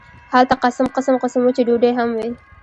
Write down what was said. هلته قسم قسم وچې ډوډۍ هم وې.